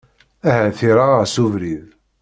Ahat iraɛ-as ubrid.